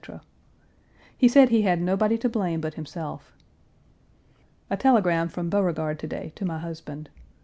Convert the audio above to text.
He said he had nobody to blame but himself. A telegram from Beauregard to day to my husband.